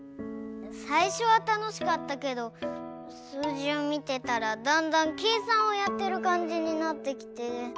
さいしょはたのしかったけどすうじをみてたらだんだんけいさんをやってるかんじになってきて。